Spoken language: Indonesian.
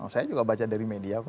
saya juga baca dari media kok